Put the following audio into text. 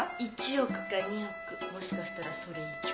１億か２億もしかしたらそれ以上。